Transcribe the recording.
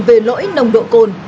về lỗi nồng độ cồn